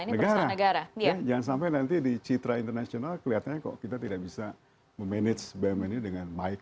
negara jangan sampai nanti di citra internasional kelihatannya kok kita tidak bisa memanage bumn ini dengan baik